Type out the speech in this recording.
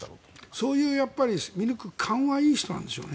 そういう見抜く勘はいい人なんでしょうね。